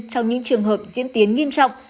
trong những trường hợp diễn tiến nghiêm trọng